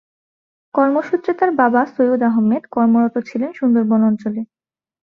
কর্মসূত্রে তার বাবা সৈয়দ আহমেদ কর্মরত ছিলেন সুন্দরবন অঞ্চলে।